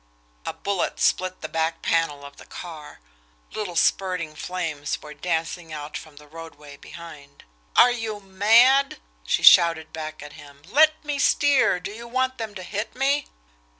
A bullet split the back panel of the car little spurting flames were dancing out from the roadway behind. "Are you mad!" she shouted back at him. "Let me steer do you want them to hit me!"